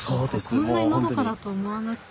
こんなにのどかだと思わなくて。